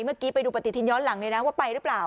เมื่อกี้ไปดูปฏิทินย้อนหลังเลยนะว่าไปหรือเปล่า